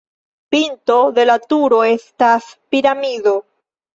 Pinto de la turo estas piramido.